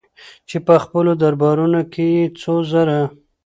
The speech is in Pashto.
چې په خپلو دربارونو کې يې څو زره